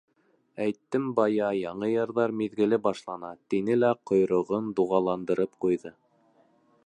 — Әйттем бая, яңы йырҙар миҙгеле башлана, — тине лә ҡойроғон дуғаландырып ҡуйҙы.